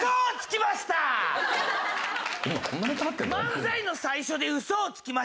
漫才の最初で嘘をつきました。